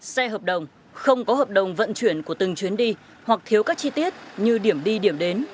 xe hợp đồng không có hợp đồng vận chuyển của từng chuyến đi hoặc thiếu các chi tiết như điểm đi điểm đến